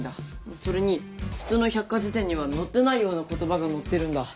それに普通の百科事典には載ってないような言葉が載ってるんだ。